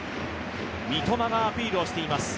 三笘がアピールをしています。